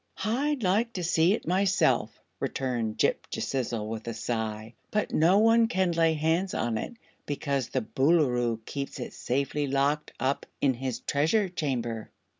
"I'd like to see it myself," returned Ghip Ghisizzle, with a sigh; "but no one can lay hands on it because the Boolooroo keeps it safely locked up in his Treasure Chamber."